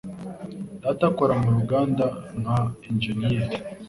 Data akora mu ruganda nka injeniyeri.